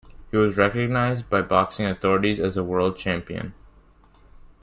He was recognized by boxing authorities as the World Champion.